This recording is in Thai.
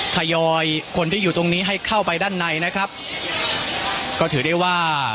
ทยอยคนที่อยู่ตรงนี้ให้เข้าไปด้านในนะครับก็ถือได้ว่า